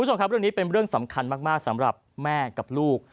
คุณผู้ชมครับเรื่องนี้เป็นเรื่องสำคัญมากสำหรับแม่กับลูก